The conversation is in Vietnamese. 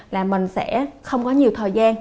là mình sẽ không có nhiều thời gian